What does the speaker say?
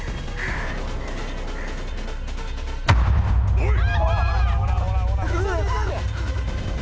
おい！